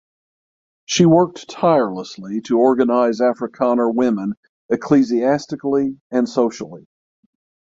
She worked tirelessly to organize Afrikaner women ecclesiastically and socially.